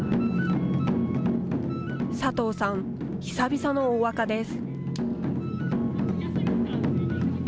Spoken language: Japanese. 佐藤さん、久々の大若です。